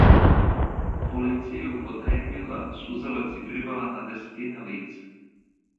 Полиција је употријебила сузавац и привела на десетине лица.